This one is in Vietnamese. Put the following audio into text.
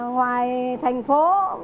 ngoài thành phố